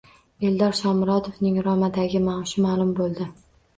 Eldor Shomurodovning “Roma”dagi maoshi ma’lum bo‘ldi